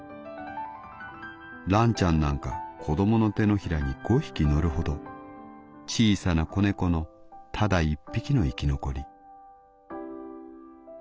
らんちゃんなんかこどもの手のひらに５匹乗るほど小さな子猫のただ一匹の生き残り」。